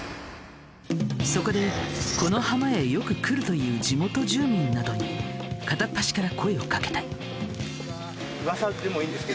そこでこの浜へよく来るという地元住民などに片っ端から声をかけた。